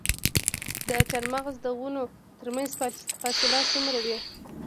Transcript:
د چهارمغز د ونو ترمنځ فاصله څومره وي؟